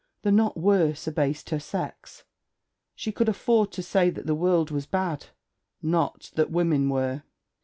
The not worse, abased her sex. She could afford to say that the world was bad: not that women were.